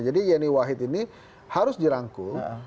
jadi yeni wahid ini harus dirangkul